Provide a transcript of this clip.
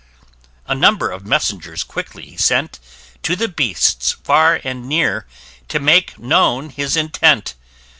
_] A number of messengers quickly he sent [p 5] To the beasts, far and near, to make known his intent.